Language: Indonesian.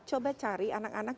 coba cari anak anak